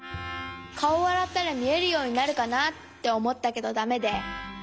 かおあらったらみえるようになるかなっておもったけどだめで。